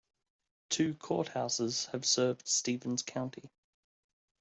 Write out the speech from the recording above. Two courthouses have served Stephens County.